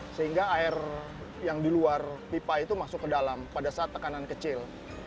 sehingga air yang di luar pipa itu masuk ke dalam pada saat tekanan kecil